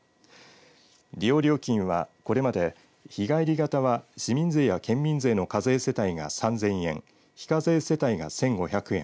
利用料金は、これまで日帰り型は市民税や県民税の課税世帯が３０００円非課税世帯が１５００円